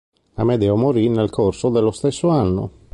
Amedeo morì nel corso dello stesso anno.